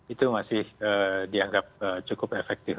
itu masih dianggap cukup efektif